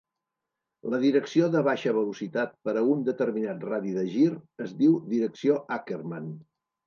La direcció de baixa velocitat per a un determinat radi de gir es diu direcció Ackermann.